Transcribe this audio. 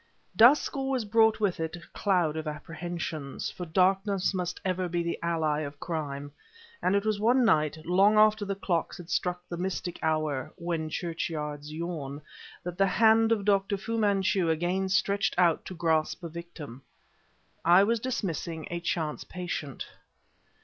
Dusk always brought with it a cloud of apprehensions, for darkness must ever be the ally of crime; and it was one night, long after the clocks had struck the mystic hour "when churchyards yawn," that the hand of Dr. Fu Manchu again stretched out to grasp a victim. I was dismissing a chance patient.